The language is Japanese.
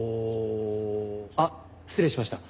あっ失礼しました。